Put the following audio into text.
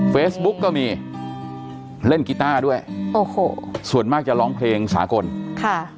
เฟซบุ๊กก็มีเล่นกีต้าด้วยโอ้โหส่วนมากจะร้องเพลงสากลค่ะ